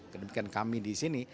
demi kebaikan kami di sini